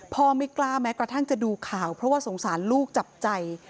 ไม่กล้าแม้กระทั่งจะดูข่าวเพราะว่าสงสารลูกจับใจ